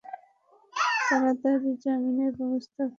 তারাতাড়ি জামিনের ব্যাবস্থা করো।